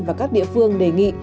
và các địa phương đề nghị